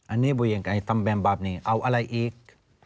อันนี้พูดยังไงทำแบบนี้เอาอะไรอีก